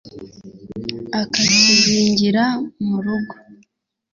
akakizingira mu rugo.